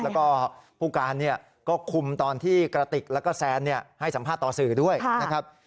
แล้วก็ผู้การก็คุมตอนที่กระติกแล้วก็แซนให้สัมภาษณ์ต่อสื่อด้วยนะครับ